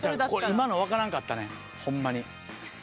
今のわからんかったねほんまに。